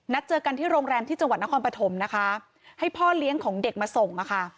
เจอกันที่โรงแรมที่จังหวัดนครปฐมนะคะให้พ่อเลี้ยงของเด็กมาส่งอ่ะค่ะ